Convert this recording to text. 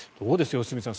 良純さん